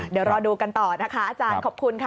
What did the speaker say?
เดี๋ยวรอดูกันต่อนะคะอาจารย์ขอบคุณค่ะ